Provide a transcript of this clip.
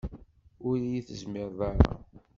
Ur yi-tezmireḍ ara